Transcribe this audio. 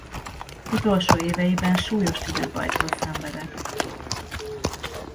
Utolsó éveiben súlyos tüdőbajtól szenvedett.